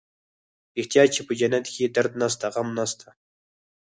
رښتيا چې په جنت کښې درد نسته غم نسته.